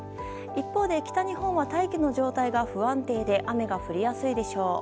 一方で、北日本は大気の状態が不安定で雨が降りやすいでしょう。